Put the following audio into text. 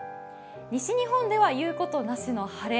西日本では言うことなしの晴れ。